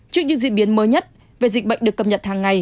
trước những diễn biến mới nhất về dịch bệnh được cập nhật hàng ngày